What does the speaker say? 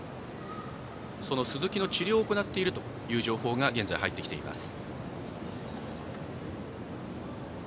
鈴木の治療を行っているという情報が入ってきています。